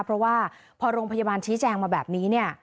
เพราะว่าพอโรงพยาบาลชี้แจงมาแบบนี้เนี่ย